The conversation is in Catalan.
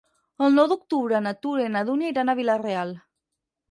El nou d'octubre na Tura i na Dúnia iran a Vila-real.